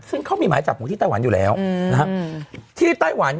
ซึ่งเขามีหมายจับของที่ไต้หวันอยู่แล้วนะฮะที่ไต้หวัน